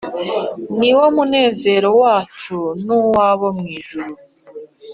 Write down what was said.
niwe munezero wacu n’uwo abo mu ijuru